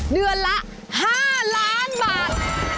เดือนละ๕ล้านบาท